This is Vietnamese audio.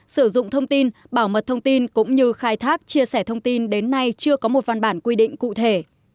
sử dụng thông tin bảo mật thông tin cũng như khai thác chia sẻ thông tin đến nay chưa có một văn bản quy định cụ thể